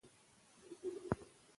ذهن خلاص کړه لوستل پېل کړه